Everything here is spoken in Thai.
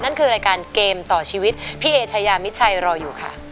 นั่นคือรายการเกมต่อชีวิตพี่เอชายามิดชัยรออยู่ค่ะ